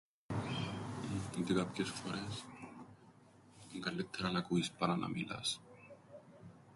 Ότι κάποιες φορές εν' καλλύττερα να ακούεις παρά να μιλάς.